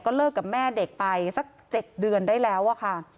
เลิกกับแม่เด็กไปสัก๗เดือนได้แล้วอะค่ะ